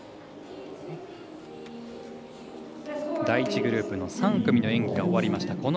第１グループの３組の演技が終わりました。